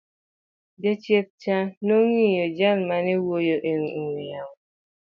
jachieth cha nong'iyo jal mane wuoyo e ong'we yamo